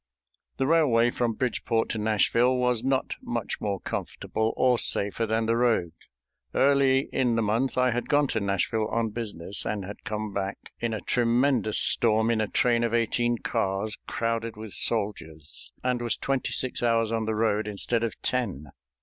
The railway from Bridgeport to Nashville was not much more comfortable or safer than the road. Early in the month I had gone to Nashville on business, and had come back in a tremendous storm in a train of eighteen cars crowded with soldiers, and was twenty six hours on the road instead of ten.